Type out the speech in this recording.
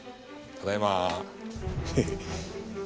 ただいま。